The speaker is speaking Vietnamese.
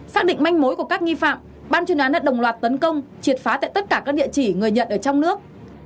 xác định manh mối của các nghi phạm ban chuyên án đã đồng loạt tấn công triệt phá tại tất cả các địa chỉ người nhận ở trong nước